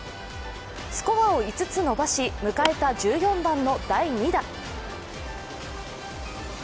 スコアを５つ伸ばし迎えた１４番の第２打。